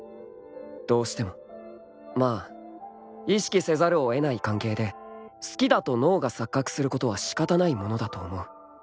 ［どうしてもまあ意識せざるを得ない関係で「好きだ」と脳が錯覚することは仕方ないものだと思う］